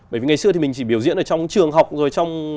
bởi vì ngày xưa thì mình chỉ biểu diễn ở trong trường học rồi